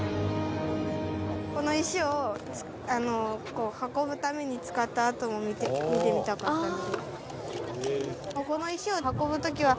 この石を運ぶために使った跡も見てみたかったので。